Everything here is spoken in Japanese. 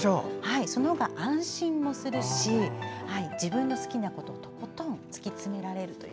その方が安心もするし自分の好きなことをとことん突き詰められると。